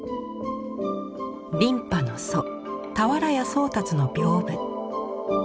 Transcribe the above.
琳派の祖俵屋宗達の屏風。